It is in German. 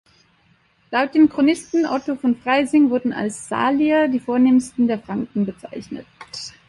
Laut dem Chronisten Otto von Freising wurden als Salier die Vornehmsten der Franken bezeichnet.